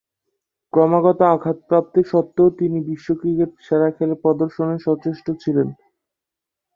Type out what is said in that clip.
ক্রমাগত আঘাতপ্রাপ্তি সত্ত্বেও তিনি বিশ্ব ক্রিকেটে সেরা খেলা প্রদর্শনে সচেষ্ট ছিলেন।